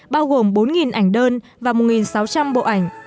bao gồm bốn ảnh đơn và một sáu trăm linh bộ ảnh